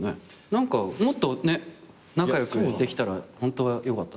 何かもっとね仲良くできたらホントはよかったっすよね。